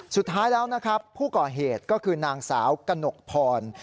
สุดท้ายแล้วนะครับผู้ก่อเหตุก็คือนางสาวกระหนกพร